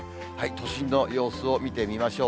都心の様子を見てみましょう。